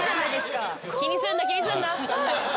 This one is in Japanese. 気にすんな気にすんな。